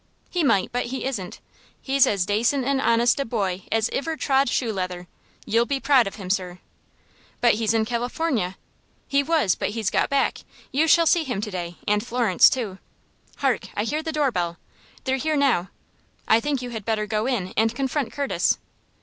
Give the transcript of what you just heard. "He might, but he isn't. He's as dacent and honest a boy as iver trod shoe leather. You'll be proud of him, sir." "But he's in California." "He was; but he's got back. You shall see him to day, and Florence, too. Hark! I hear the door bell. They're here now. I think you had better go in and confront Curtis."